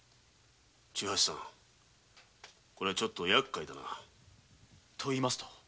これはちょっとやっかいだな。と言いますと？